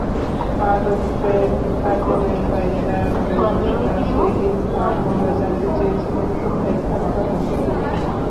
প্রাধ্যক্ষের কার্যালয়ের বাইরে দাঁড়ানো বন্ধুদের কাছে ইসহাক মোল্লা জানতে চাইছিলেন, কোথায় থাকত হাফিজুর।